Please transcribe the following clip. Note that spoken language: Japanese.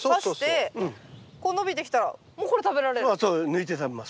抜いて食べます。